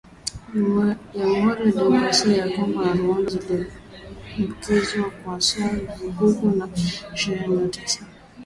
Jamuhuri ya Kidemokrasia ya Kongo na Rwanda zajibizana kuhusu waasi wa Vuguvugu la Ishirini na tatu